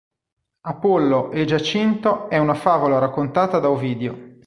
Apollo e Giacinto è una favola raccontata da Ovidio.